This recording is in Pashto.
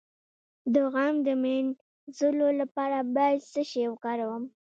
د غم د مینځلو لپاره باید څه شی وکاروم؟